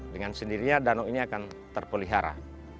dengan sendirinya danau ini akan terpelihara